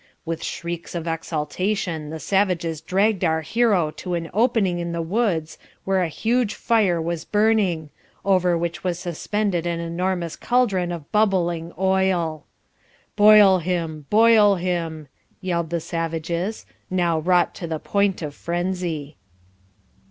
With shrieks of exultation the savages dragged our hero to an opening in the woods where a huge fire was burning, over which was suspended an enormous caldron of bubbling oil. 'Boil him, boil him,' yelled the savages, now wrought to the point of frenzy."